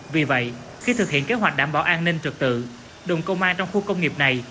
vì vậy khi thực hiện kế hoạch đảm bảo an ninh trực tự đồn công an trong khu công nghiệp này